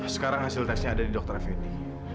sekarang hasil tesnya ada di dr effendi